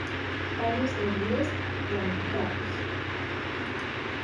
Tallos erguidos, ramificados.